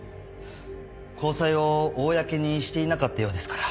交際を公にしていなかったようですから。